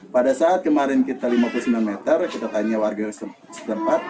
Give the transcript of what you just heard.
pada saat kemarin kita lima puluh sembilan meter kita tanya warga setempat